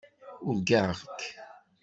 Urgaɣ-k.